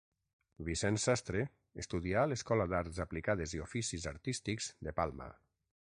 Vicenç Sastre estudià a l'Escola d'Arts Aplicades i Oficis Artístics de Palma.